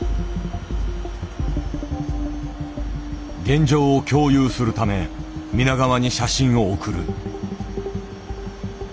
現状を共有するため皆川に写真を送る。